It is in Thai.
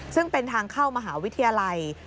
ซึ่งเป็นทางเข้ามหาวิทยาลัย